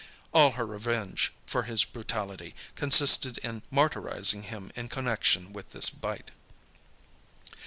All her revenge for his brutality, consisted in martyrising him in connection with this bite.